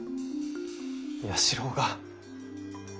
弥四郎が。